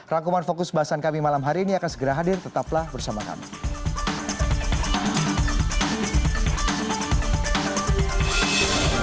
rangkuman fokus bahasan kami malam hari ini akan segera hadir tetaplah bersama kami